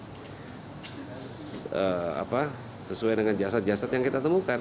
jadi kita harus mencari jasad jasad yang sesuai dengan jasad jasad yang kita temukan